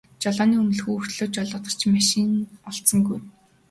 Жолооны үнэмлэх өвөртлөөд ч жолоодох машин нь олдсонгүй.